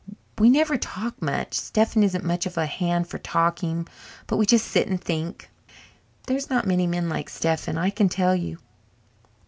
We never talk much Stephen isn't much of a hand for talking but we just sit and think. There's not many men like Stephen, I can tell you."